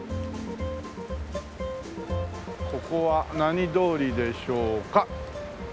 ここは何通りでしょうか？